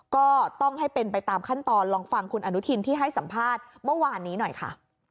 ก็ต้องให้เป็นไปตามขั้นตอนลองฟังคุณอนุทินที่ให้สัมภาษณ์เมื่อวานนี้หน่อยค่ะ